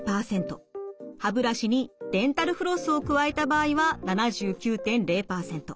歯ブラシにデンタルフロスを加えた場合は７９．０％。